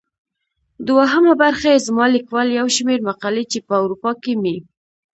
دوهمه برخه يې زما ليکوال يو شمېر مقالې چي په اروپا کې مي.